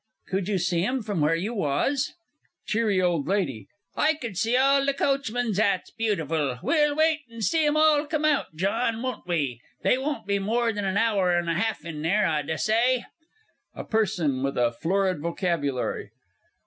Could you see 'em from where you was? CH. O. L. I could see all the coachmen's 'ats beautiful. We'll wait and see 'em all come out, John, won't we? They won't be more than an hour and a half in there, I dessay. A PERSON WITH A FLORID VOCABULARY.